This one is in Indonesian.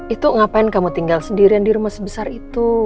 itu ngapain kamu tinggal sendirian di rumah sebesar itu